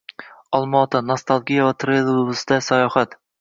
Olmaota – nostalgiya va trolleybusda sayohat...